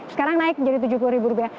sekarang naik menjadi tujuh puluh ribu rupiah